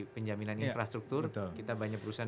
penjaminan infrastruktur kita banyak perusahaan